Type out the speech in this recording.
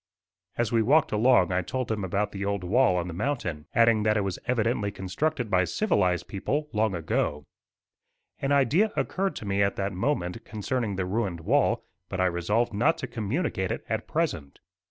As we walked along I told him about the old wall on the mountain, adding that it was evidently constructed by civilized people, long ago. An idea occurred to me at that moment concerning the ruined wall, but I resolved not to communicate it at present.